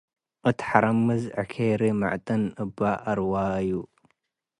እት ሐረምዝ ዕኬሪ - ምዕጥን አበ አርዋዩ